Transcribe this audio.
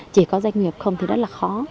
chỉ có doanh nghiệp không thì rất là khó